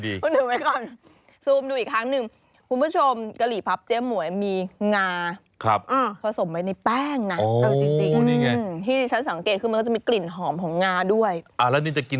ไซส์ลำไย